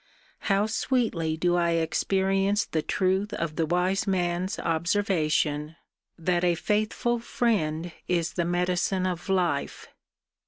How sweetly do I experience the truth of the wise man's observation, That a faithful friend is the medicine of life!